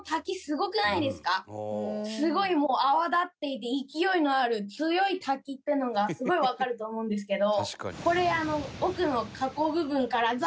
すごいもう泡立っていて勢いのある強い滝っていうのがすごいわかると思うんですけど。